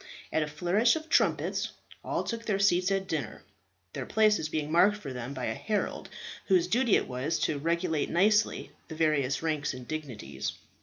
At a flourish of trumpets all took their seats at dinner, their places being marked for them by a herald, whose duty it was to regulate nicely the various ranks and dignities.